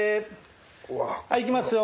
はいいきますよ。